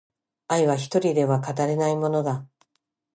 愛は一人では語れないものだ